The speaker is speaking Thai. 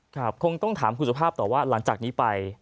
คงต้องถามคุณสุภาพต่อว่าหลังจากนี้ไป